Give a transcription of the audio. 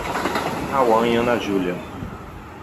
Cauã e Ana Julia